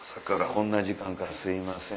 こんな時間からすいません。